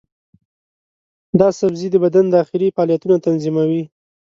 دا سبزی د بدن داخلي فعالیتونه تنظیموي.